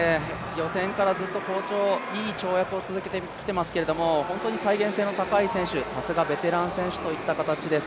予選からずっと好調、いい跳躍を続けてきていますけれども、本当に再現性の高い選手、さすがベテラン選手といった形です。